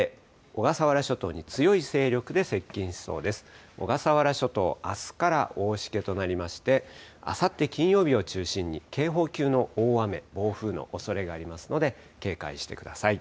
小笠原諸島、あすから大しけとなりまして、あさって金曜日を中心に、警報級の大雨、暴風のおそれがありますので、警戒してください。